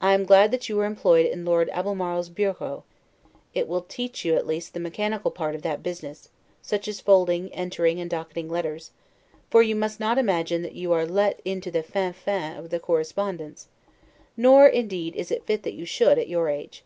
I am, glad that you are employed in Lord Albemarle's bureau; it will teach you, at least, the mechanical part of that business, such as folding, entering, and docketing letters; for you must not imagine that you are let into the 'fin fin' of the correspondence, nor indeed is it fit that you should, at, your age.